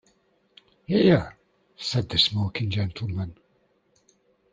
'Hear!’ said the smoking gentleman.